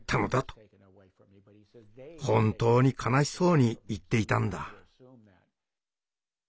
本当に悲しそうに言っていたんだ。